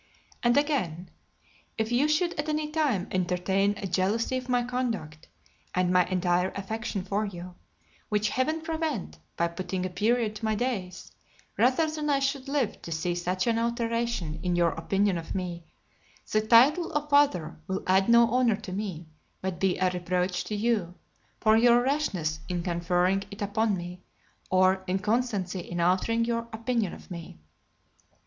And again: "If ye should at any time entertain a jealousy of my conduct, and my entire affection for you, which heaven prevent by putting a period to my days, rather than I should live to see such an alteration in your opinion of me, the title of Father will add no honour to me, but be a reproach to you, for your rashness in conferring it upon me, or inconstancy in altering your opinion of me."